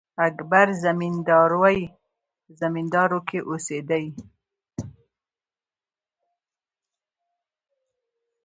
اکبر زمینداوری په زمینداور کښي اوسېدﺉ.